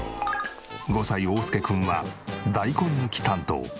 ５歳おうすけ君は大根抜き担当。